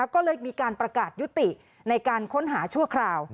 ก็เลยมีการประกาศยุติในการค้นหาชั่วคราว